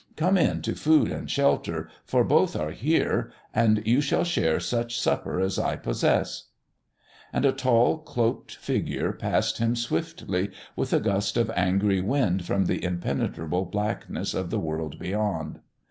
Come in to food and shelter, for both are here, and you shall share such supper as I possess." And a tall, cloaked figure passed him swiftly with a gust of angry wind from the impenetrable blackness of the world beyond.